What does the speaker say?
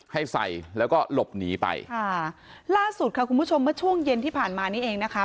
ให้ใส่แล้วก็หลบหนีไปค่ะล่าสุดค่ะคุณผู้ชมเมื่อช่วงเย็นที่ผ่านมานี่เองนะคะ